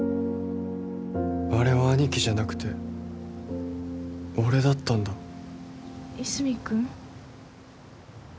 あれは兄貴じゃなくて俺だったんだ和泉君？